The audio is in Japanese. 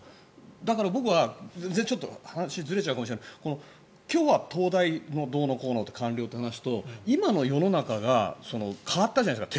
だから僕は、ちょっと話ずれちゃうかもしれないけど今日は東大のどうのこうの官僚という話と今の世の中が変わったじゃないですか。